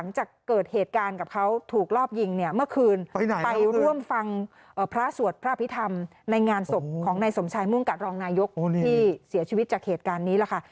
ในงานของนายสมชายมุ่งกัตรรองนายกที่เสียชีวิตจากเหตุการณ์นี้ล่ะค่ะ